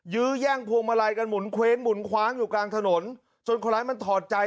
ยื้อแย่งพวงมาลัยกันหมุนเว้งหมุนคว้างอยู่กลางถนนจนคนร้ายมันถอดใจ